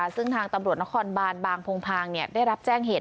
ซึ่งทางตำรวจนครบานบางโพงพางได้รับแจ้งเหตุ